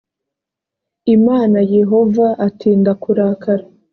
imana yehova atinda kurakara